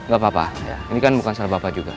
gapapa ini kan bukan salah bapak juga